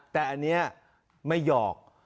แต่อันนี้ไม่หยอก